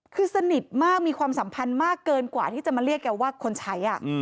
คือสนิทมากมีความสัมพันธ์มากเกินกว่าที่จะมาเรียกแกว่าคนใช้